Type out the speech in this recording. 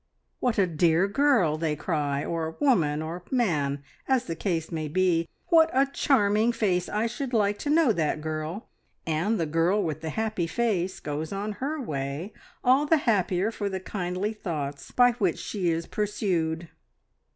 "What a dear girl!" they cry, or "woman," or "man," as the case may be. "What a charming face! I should like to know that girl." And the girl with the happy face goes on her way, all the happier for the kindly, thoughts by which she is pursued.